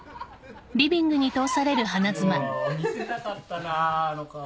・見せたかったなあの顔。